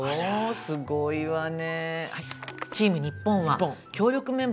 すごいわね。